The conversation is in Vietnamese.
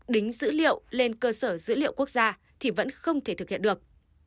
đính dữ liệu lên cơ sở dữ liệu quốc gia thì vẫn không thể thực hiện được